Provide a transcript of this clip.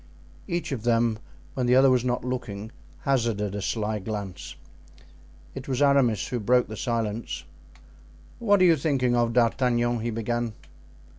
Each of them, when the other was not looking, hazarded a sly glance. It was Aramis who broke the silence. "What are you thinking of, D'Artagnan?" he began.